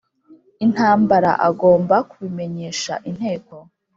Intambara agomba kubimenyesha Inteko